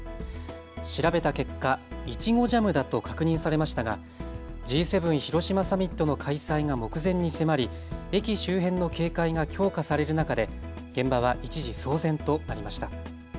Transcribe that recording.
調べた結果、イチゴジャムだと確認されましたがＧ７広島サミットの開催が目前に迫り、駅周辺の警戒が強化される中で現場は一時騒然となりました。